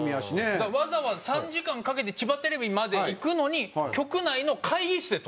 だからわざわざ３時間かけて千葉テレビまで行くのに局内の会議室で撮ってるんで。